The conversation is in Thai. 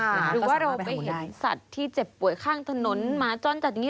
หรือว่าเราไปเห็นสัตว์ที่เจ็บป่วยข้างถนนหมาจรจัดอย่างนี้